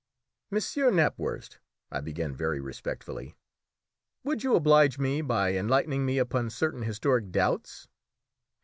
"Monsieur Knapwurst," I began very respectfully, "would you oblige me by enlightening me upon certain historic doubts?"